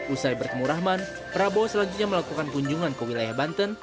usai bertemu rahman prabowo selanjutnya melakukan kunjungan ke wilayah banten